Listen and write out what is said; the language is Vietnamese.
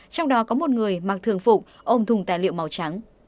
trong đó có một người mặc thường phụng ôm thùng tài liệu màu trắng